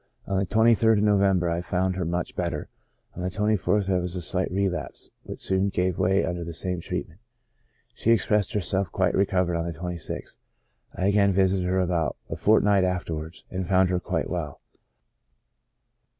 On the 23rd of November I found her much better, on the 24th there wzs a slight re lapse, which soon gave way under the same treatment. She expressed herself quite recovered on the 26th. I again vi sited her about a fortnight afterwards, and found her quite well.